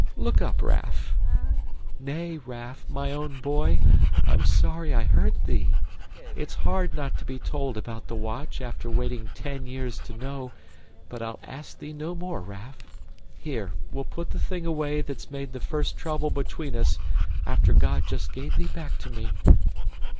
Look up, Raff! Nay, Raff, my own boy, I'm sorry I hurt thee. It's hard not to be told about the watch after waiting ten years to know, but I'll ask thee no more, Raff. Here, we'll put the thing away that's made the first trouble between us, after God just gave thee back to me."